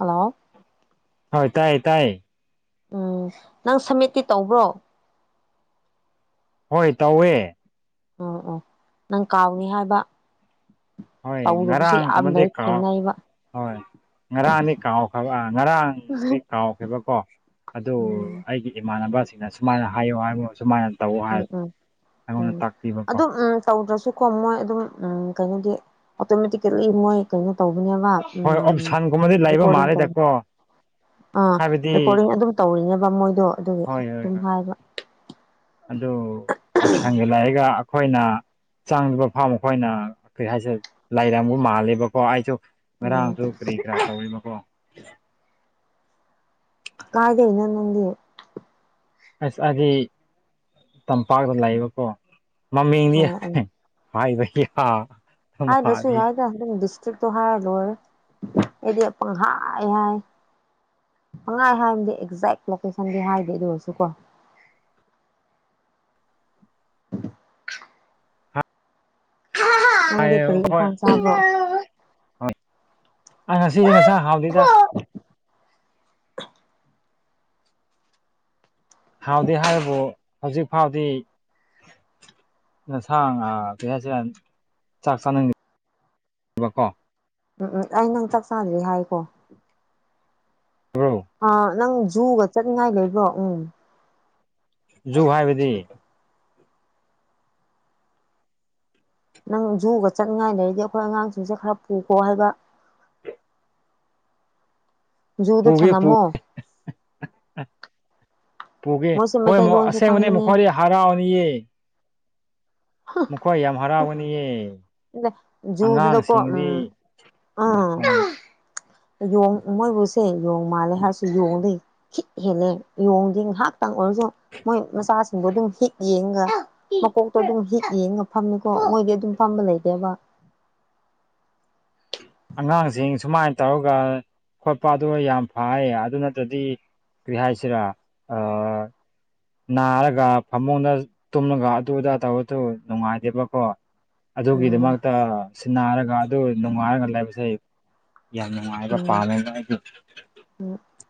Hello ꯍꯣꯏ ꯇꯥꯏꯌꯦ ꯇꯥꯏꯌꯦ ꯎꯝ ꯅꯪ ꯁꯃꯦꯠꯇꯤ ꯇꯧꯕ꯭ꯔꯣ ꯍꯣꯏ ꯇꯧꯋꯦ ꯎꯝ ꯎꯝ ꯅꯪ ꯀꯥꯎꯅꯤ ꯍꯥꯏꯕ ꯍꯣꯏ ꯇꯧꯗꯕꯁꯨ ꯉꯔꯥꯡꯪ ꯌꯥꯝ ꯀꯃꯗꯤ ꯂꯩ ꯊꯦꯡꯅꯩꯕ ꯍꯣꯏ ꯉꯔꯥꯡꯅꯤ ꯀꯥꯎꯈ꯭ꯔꯕ ꯉꯔꯥꯡꯅꯤ ꯀꯥꯎꯈ꯭ꯔꯕꯀꯣ ꯑꯗꯨ ꯎꯝ ꯑꯩꯒꯤ ꯏꯃꯥꯟꯅꯕꯁꯤꯡꯅ ꯁꯨꯃꯥꯏꯅ ꯍꯥꯏꯌꯨ ꯍꯥꯏꯉꯨ ꯁꯨꯃꯥꯏꯅ ꯇꯧ ꯍꯥꯏ ꯎꯝ ꯎꯝ ꯑꯩꯉꯣꯟꯗ ꯎꯝ ꯇꯥꯛꯄꯤꯕꯀꯣ ꯑꯗꯨꯝꯝ ꯇꯧꯗ꯭ꯔꯁꯨꯀꯣ ꯃꯣꯏ ꯑꯗꯨꯝ ꯎꯝ ꯀꯩꯅꯣꯗꯤ ꯑꯣꯇꯣꯃꯦꯇꯤꯀꯦꯂꯤ ꯃꯣꯏ ꯀꯩꯅꯣ ꯇꯧꯕꯅꯦꯕ ꯍꯣꯏ ꯑꯣꯞꯁꯟꯒꯨꯝꯕꯗꯤ ꯂꯩꯕ ꯔꯦꯀꯣꯔꯗꯤꯡ ꯇꯧꯕ ꯃꯥꯜꯂꯦꯗꯀꯣ ꯑꯥ ꯍꯥꯏꯕꯗꯤ ꯔꯦꯀꯣꯔꯗꯤꯡ ꯑꯗꯨ ꯇꯧꯔꯤꯅꯦꯕ ꯃꯣꯏꯗꯣ ꯑꯗꯨꯒꯤ ꯍꯣꯏ ꯍꯣꯏ ꯑꯗꯨꯝ ꯍꯣꯏ ꯍꯥꯏꯕ ꯑꯗꯨ ꯑꯣꯞꯁꯟꯒ ꯂꯥꯛꯑꯒ ꯑꯩꯈꯣꯏꯅ ꯆꯥꯡꯕ ꯐꯥꯝ ꯑꯩꯈꯣꯏꯅ ꯀꯔꯤ ꯍꯥꯏꯁꯦ ꯂꯩꯥꯏꯔꯝꯕꯨ ꯃꯥꯜꯂꯦꯕꯀꯣ ꯑꯩꯁꯨ ꯎꯝ ꯉꯔꯥꯡꯁꯨ ꯀꯔꯤ ꯀꯔꯥ ꯇꯧꯔꯤꯕꯀꯣ ꯀꯥꯏꯗꯦ ꯏꯅ ꯅꯪꯦ ꯑꯁ ꯍꯥꯏꯗꯤ ꯇꯝꯄꯥꯛꯇ ꯂꯩꯕꯀꯣ ꯃꯃꯤꯡꯗꯤ ꯑꯣ ꯑꯣ ꯍ ꯏꯕ ꯍꯥꯏꯗꯁꯨ ꯌꯥꯏꯗ ꯑꯗꯨꯝ ꯗꯤꯁꯇ꯭ꯔꯤꯛꯇꯣ ꯍꯥꯏꯔ ꯂꯣꯏꯔꯦ ꯑꯩꯗꯤꯪ ꯍꯥꯏꯥꯏ ꯍꯥꯏ ꯁꯪꯉꯥꯏ ꯍꯥꯏꯔꯝꯗꯤ ꯑꯦꯛꯖꯦꯛ ꯂꯣꯀꯦꯁꯟꯗꯤ ꯍꯥꯏꯗꯦ ꯑꯗꯨ ꯑꯣꯏꯔꯁꯨ ꯀꯣ ꯍ ꯍꯣ ꯍꯥꯏꯑ ꯍꯣꯏ ꯍꯣꯏ ꯑ ꯉꯁꯤꯁꯦ ꯉꯁꯥꯡ ꯍꯥꯎꯗꯣꯏꯗ ꯍꯥꯎꯗꯦ ꯍꯥꯏꯕꯨ ꯍꯧꯖꯤꯛ ꯐꯥꯎꯗꯤ ꯅꯁꯥꯡ ꯉꯥ ꯀꯩ ꯍꯥꯏꯁꯤꯔ ꯆꯥꯛ ꯆꯥꯅꯤꯡꯕꯀꯣ ꯎꯝ ꯎꯝ ꯑꯩ ꯅꯪ ꯆꯥꯛ ꯆꯥꯗ꯭ꯔꯤ ꯍꯥꯏꯀꯣ ꯕ꯭ꯔꯣ ꯑ ꯅꯪ ꯖꯨꯒ ꯆꯠꯅꯤꯡꯉꯥꯏ ꯂꯩꯕ꯭ꯔꯣ ꯎꯝ ꯖꯨ ꯍꯥꯏꯕꯗꯤ ꯅꯪ ꯖꯨꯒ ꯆꯠꯅꯤꯡꯉꯥꯏ ꯂꯩꯔꯤꯗꯤ ꯑꯩꯈꯣꯏ ꯑꯉꯥꯡꯁꯤꯡꯁꯦ ꯈꯔ ꯄꯨꯈꯣ ꯍꯥꯏꯕ ꯖꯨꯗ ꯄꯨꯒꯦ ꯄꯨ ꯊꯅꯝꯃꯣ ꯄꯨꯒꯦ ꯃꯣꯏꯁꯦ ꯍꯣꯏ ꯃꯩꯇꯩꯂꯣꯟꯁꯨ ꯑꯁꯦꯡꯕꯅꯦ ꯈꯪꯕꯅꯦ ꯃꯈ꯭ꯋꯥꯔ ꯍꯔꯥꯎꯅꯤꯌꯦ ꯃꯈꯣꯏ ꯌꯥꯝ ꯍꯔꯥꯎꯕꯅꯤꯌꯦ ꯖꯨꯗꯨꯗꯀꯣ ꯑꯉꯥꯡꯁꯤꯡꯗꯤ ꯎꯝ ꯑꯥ ꯍꯣꯏ ꯌꯣꯡ ꯃꯣꯏꯕꯨꯁꯦ ꯌꯣꯡ ꯃꯥꯜꯂꯦ ꯍꯥꯏꯔꯁꯨ ꯌꯣꯡꯗꯣꯏ ꯍꯤꯠ ꯍꯦꯜꯂꯦ ꯌꯦꯣꯡꯗꯤ ꯉꯥꯏꯍꯥꯛꯇꯪ ꯑꯣꯏꯔꯁꯨ ꯃꯣꯏ ꯃꯆꯥꯁꯤꯡꯗꯣ ꯑꯗꯨꯝ ꯍꯤꯠ ꯌꯦꯡꯒ ꯃꯀꯣꯛꯇꯣ ꯑꯗꯨꯝ ꯍꯤꯛ ꯌꯦꯡ ꯉ ꯐꯝꯅꯤꯀꯣ ꯃꯣꯏꯗꯤ ꯑꯗꯨꯝ ꯐꯝꯕ ꯂꯩꯇꯦꯕ꯫ ꯑꯉꯥꯡꯁꯤꯡ ꯁꯨꯃꯥꯏꯅ ꯇꯧꯔꯒ ꯈꯣꯠꯄꯗ ꯌꯥꯝ ꯐꯩꯌꯦ ꯑꯗꯨ ꯅꯠꯇ꯭ꯔꯗꯤ ꯀ꯭ꯔꯤꯍ ꯍꯥꯏꯁꯤꯔꯥ ꯑ ꯅꯥꯔꯒ ꯐꯃꯨꯡꯗ ꯇꯨꯝꯂꯒ ꯑꯗꯨ ꯑꯗꯥ ꯇꯧꯔꯗꯨ ꯅꯨꯡꯉꯥꯏꯗꯦꯕꯀꯣ ꯎꯝ ꯑꯗꯨꯒꯤꯗꯃꯛꯇ ꯁꯤꯟꯅꯔꯒ ꯑꯗꯨ ꯅꯨꯡꯉꯥꯏꯔꯒ ꯂꯩꯕꯁꯦ ꯌꯥꯝ ꯅꯨꯡꯉꯥꯏꯕ ꯎꯝ ꯄꯥꯜꯂꯦꯅ ꯑꯩꯒꯤ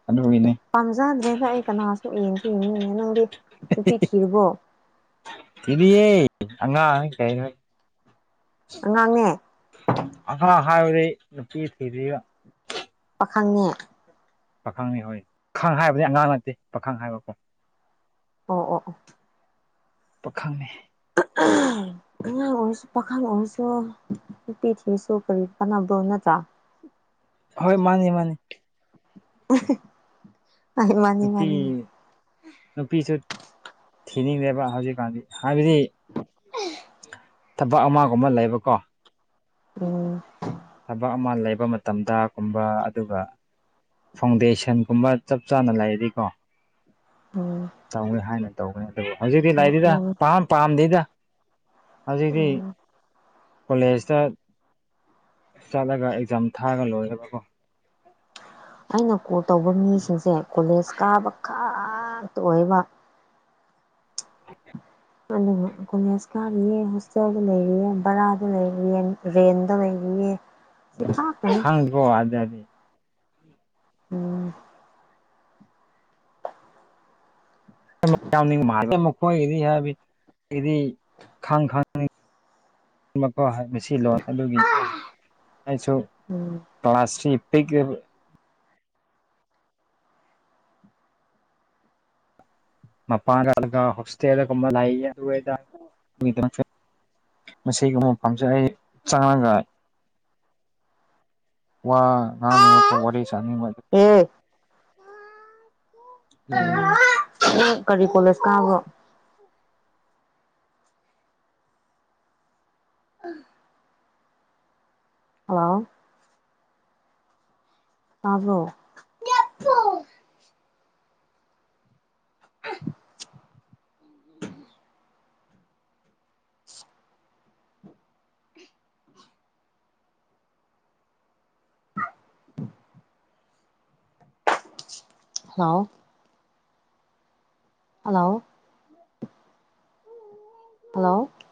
ꯑꯗꯨꯒꯤꯅꯦ ꯄꯥꯝꯖꯗ꯭ꯔꯦꯅ ꯑꯩ ꯀꯅꯥꯁꯨ ꯌꯦꯡꯁꯨ ꯌꯦꯡꯅꯤꯡꯉꯦ ꯅꯪꯗꯤ ꯅꯨꯄꯤ ꯊꯤꯔꯔꯕꯣ ꯇꯗꯦ ꯍꯉ ꯀ ꯉꯥꯡꯉꯦ ꯑꯍꯥ ꯍꯥꯏꯨꯔꯦ ꯅꯨꯄꯤ ꯊꯤ ꯄꯥꯈꯪꯅꯦ ꯄꯥꯈꯪꯅꯤ ꯍꯣꯏ ꯄꯥꯈꯪ ꯍꯥꯏꯕꯅꯤ ꯑꯉꯥꯡ ꯅꯠꯇꯦ ꯄꯥꯈꯪ ꯍꯥꯏꯕꯀꯣ ꯑꯣ ꯑꯣ ꯑꯣ ꯄꯥꯈꯪꯅꯦ [unintelligible] ꯑꯉꯥꯡ ꯑꯣꯏꯔꯁꯨ ꯄꯥꯈꯪ ꯑꯣꯏꯔꯁꯨ ꯑꯣ ꯅꯨꯄꯤ ꯊꯤꯔꯥꯁꯨ ꯀꯔꯤ ꯀꯥꯟꯅꯕ꯭ꯔꯣ ꯅꯠꯇ꯭ꯔꯥ ꯍꯣꯏ ꯃꯥꯅꯤ ꯃꯥꯅꯤ [inaudible] ꯅꯨꯄꯤ ꯃꯥꯅꯤ ꯅꯨꯄꯤꯁꯨ ꯊꯤꯅꯤꯡꯗꯦꯕ ꯍꯧꯖꯤꯛꯀꯥꯟꯗꯤ ꯍꯥꯏꯕꯗꯤ [unintelligible] ꯊꯕꯛ ꯑꯃꯒꯨꯝ ꯑꯃ ꯂꯩꯕꯀꯣ ꯎꯝ ꯊꯕꯛ ꯑꯃ ꯂꯩꯕ ꯃꯇꯝꯗ ꯀꯨꯝꯕ ꯑꯗꯨꯒ ꯐꯥꯎꯟꯗꯦꯁꯟꯒꯨꯝꯕ ꯆꯞ ꯆꯥꯅ ꯂꯩꯔꯗꯤꯀꯣ ꯇꯧꯋꯦ ꯍꯥꯏꯅ ꯇꯧꯕꯗꯤ ꯅꯠꯇꯕ ꯍꯧꯖꯤꯛꯇꯤ ꯎꯝ ꯂꯥꯏꯔꯤꯗ ꯎꯝ ꯄꯥꯝ ꯄꯥꯝꯗꯦꯗ ꯍꯧꯖꯤꯛꯇꯤ ꯎꯝ ꯀꯣꯂꯦꯖꯇ ꯆꯠꯂꯒ ꯑꯦꯛꯖꯥꯝ ꯊꯥꯔꯒ ꯂꯣꯏꯔꯦꯕꯀꯣ ꯑꯩꯅ ꯀꯣꯜ ꯇꯧꯕ ꯃꯤꯁꯤꯡꯁꯦ ꯀꯣꯂꯦꯖ ꯀꯥꯕ ꯈꯇ ꯑꯣꯏꯕ ꯑꯗꯨꯒ ꯀꯣꯂꯦꯖ ꯀꯥꯔꯤꯌꯦ ꯍꯣꯁꯇꯦꯜꯗ ꯂꯩꯔꯤꯌꯦ ꯕꯔꯥꯗ ꯂꯩꯔꯤꯑ ꯔꯦꯟꯗ ꯂꯩꯔꯤꯌꯦ [unintelligible] ꯍꯪꯒꯣ [unintelligible] [unintelligible] [unintelligible] ꯌꯥꯎꯅꯤꯡꯕꯥ ꯃꯥꯜꯂꯦ ꯃꯈꯣꯏꯒꯤꯗꯤ ꯍꯥꯏꯗꯤ ꯑꯩꯗꯤ ꯈꯪ ꯈꯪꯅꯤꯡ ꯃꯈꯣ ꯍꯥꯏ ꯃꯁꯤ ꯂꯣꯟ ꯑꯗꯨꯒꯤ ꯑꯩꯁꯨ ꯎꯝ ꯄ꯭ꯂꯥꯁꯤ ꯄꯤꯀꯦꯜ ꯃꯄꯜꯒ ꯍꯁꯇꯦꯗ ꯒꯨꯝꯃ ꯂꯏ [unintelligible] ꯃꯁꯤꯒꯨꯝꯕꯐꯝꯁꯦ ꯑꯩ ꯆꯪꯔꯒ ꯋꯥ ꯉꯥꯡꯅꯤꯡꯕꯒ ꯋꯥꯔꯤ ꯁꯥꯅꯤꯡꯕ ꯎꯝ ꯑꯗꯨꯒꯤ [unintelligible] ꯅꯪ ꯀꯔꯤ ꯀꯣꯂꯦꯖ ꯀꯥꯕ꯭ꯔꯣ ꯎꯝ ꯍꯜꯂꯣ ꯇꯥꯕ꯭ꯔꯣ ꯍꯜꯂꯣ ꯍꯥꯜꯂꯣ ꯍꯜꯂꯣ ꯍꯜꯂꯣ